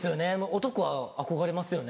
男は憧れますよね